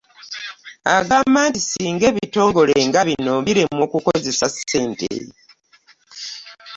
Agamba nti singa ebitongole nga bino biremwa okukozesa ssente